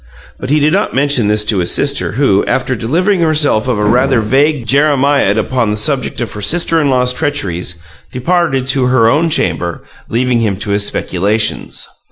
But he did not mention this to his sister, who, after delivering herself of a rather vague jeremiad upon the subject of her sister in law's treacheries, departed to her own chamber, leaving him to his speculations.